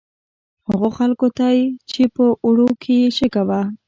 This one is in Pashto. هغو خلکو چې په اوړو کې یې شګه وه.